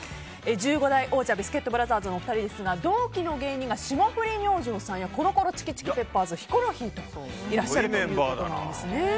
１５代王者ビスケットブラザーズのお二人ですが同期の芸人が霜降り明星さんやコロコロチキチキペッパーズヒコロヒーといらっしゃるということなんです。